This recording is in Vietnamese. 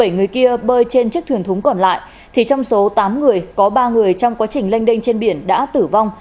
bảy người kia bơi trên chiếc thuyền thúng còn lại thì trong số tám người có ba người trong quá trình lênh đênh trên biển đã tử vong